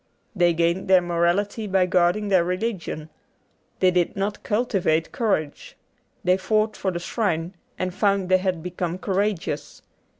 They gained their morality by guarding their religion. They did not cultivate courage. They fought for the shrine, and found they had become courageous.